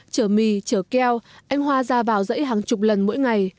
trở mì trở keo anh hoa ra vào dãy hàng chục lần mỗi ngày